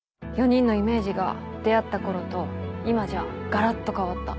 ４人のイメージが出会ったころと今じゃがらっと変わった。